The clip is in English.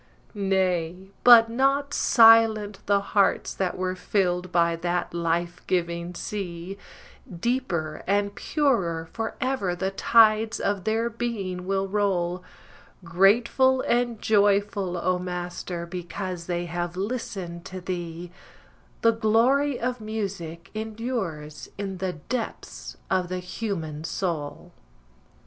Nay, but not silent the hearts that were filled by that life giving sea; Deeper and purer forever the tides of their being will roll, Grateful and joyful, O Master, because they have listened to thee, The glory of music endures in the depths of the human soul.